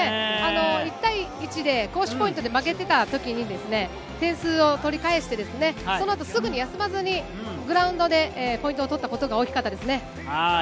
１対１で攻守ポイントで負けていた時に点数を取り返して、そのあとすぐに休まずにグラウンドでポイントを取ったことが大きかったですね。